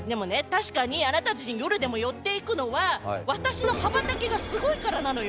確かにあなたたちに夜でも寄っていくのは私の羽ばたきがスゴいからなのよ。